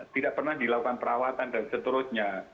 tidak pernah dilakukan perawatan dan seterusnya